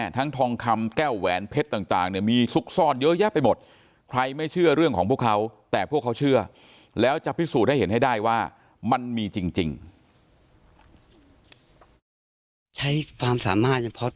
ใช้ความสามารถเฉพาะตัวจริงครับแล้วก็เครื่องมือเพียงแค่สกัดกับคอร์สนะครับ